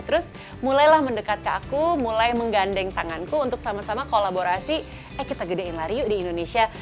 terus mulailah mendekat ke aku mulai menggandeng tanganku untuk sama sama kolaborasi eh kita gedein lari yuk di indonesia